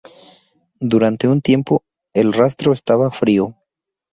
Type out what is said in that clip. Durante un tiempo, el rastro estaba frío.